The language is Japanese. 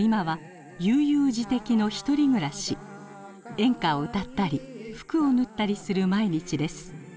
演歌を歌ったり服を縫ったりする毎日です。